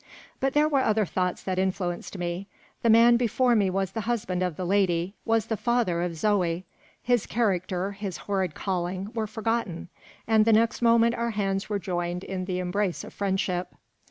But there were other thoughts that influenced me. The man before me was the husband of the lady; was the father of Zoe. His character, his horrid calling, were forgotten; and the next moment our hands were joined in the embrace of friendship.